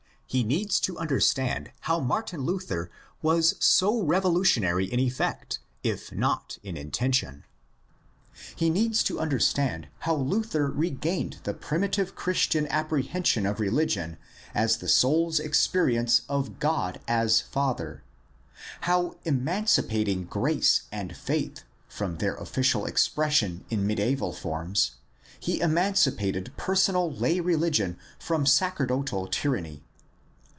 He needs to comprehend how Martin Luther was so revolutionary in effect, if not in intention. He needs to understand how Luther regained the primi tive Christian apprehension of religion as the soul's experi ence of God as Father; how, emancipating ''grace" and "faith" from their official expression in mediaeval forms, he emancipated personal lay religion from sacerdotal tyranny.